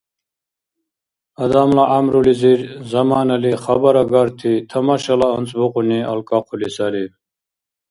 Адамла гӀямрулизир заманали хабарагарти, тамашала анцӀбукьуни алкӀахъули сари.